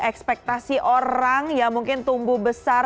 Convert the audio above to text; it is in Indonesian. ekspektasi orang yang mungkin tumbuh besar